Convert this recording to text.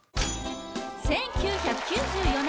１９９４年